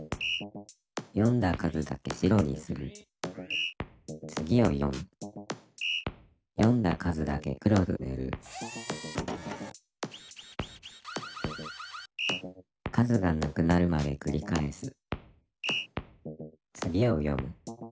読んだ数だけ白にする次を読む読んだ数だけ黒くぬる数がなくなるまでくり返す次を読む